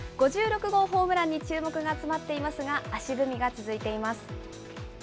５６号ホームランに注目が集まっていますが、足踏みが続いています。